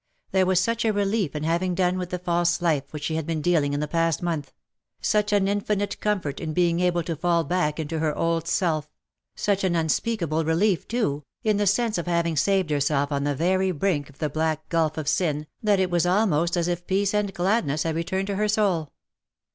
There was such a relief in having done with the false life which she had been leading in the past month ; such an infinite comfort in being able to 312 WE HAVE DONE WITH fall back into her old self; such an unspeakable relief^ too, in the sense of having saved herself on. the very brink of the black gulf of sin_, that it was almost as if peace and gladness had returned to her soul.